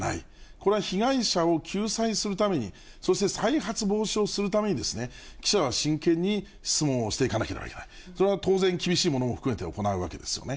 これは被害者を救済するために、そして再発防止をするために記者は真剣に質問をしていかなければならない、厳しいものも含めて行うわけですよね。